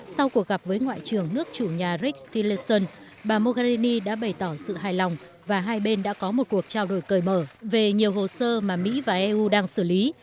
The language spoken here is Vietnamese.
sau cuộc gặp với ngoại trưởng nước chủ nhà rick stileson bà mogherini đã bày tỏ sự hài lòng và hai bên đã có một cuộc trao đổi cởi mở về nhiều hồ sơ mà mỹ và eu đang xử lý